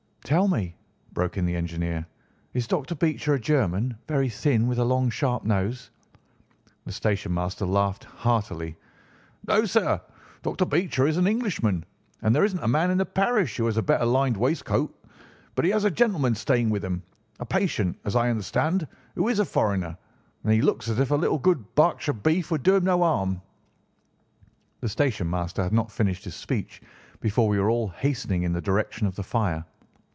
"Tell me," broke in the engineer, "is Dr. Becher a German, very thin, with a long, sharp nose?" The station master laughed heartily. "No, sir, Dr. Becher is an Englishman, and there isn't a man in the parish who has a better lined waistcoat. But he has a gentleman staying with him, a patient, as I understand, who is a foreigner, and he looks as if a little good Berkshire beef would do him no harm." The station master had not finished his speech before we were all hastening in the direction of the fire.